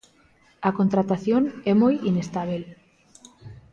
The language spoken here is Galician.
A contratación é moi inestábel.